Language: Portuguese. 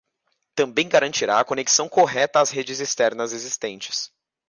Também garantirá a conexão correta às redes externas existentes.